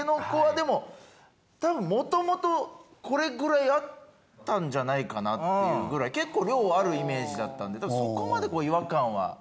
筍はでも多分元々これぐらいあったんじゃないかなっていうぐらい結構量あるイメージだったんでそこまでこう違和感は。